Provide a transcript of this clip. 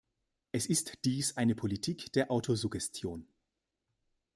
Es ist dies eine Politik der Autosuggestion.